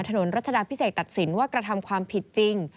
รัชดาพิเศษตัดสินว่ากระทำความผิดจริง